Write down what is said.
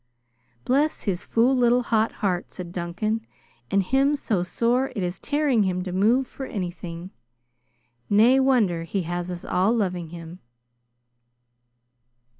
"Bless his fool little hot heart!" said Duncan. "And him so sore it is tearing him to move for anything. Nae wonder he has us all loving him!"